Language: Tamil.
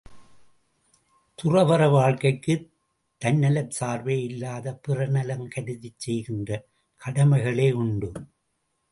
துறவற வாழ்க்கைக்குத் தன்னலச் சார்பே இல்லாத பிறர் நலம் கருதிச் செய்கின்ற கடமைகளேயுண்டு.